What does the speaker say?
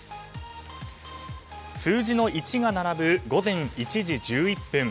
数字の１が並ぶ午前１時１１分。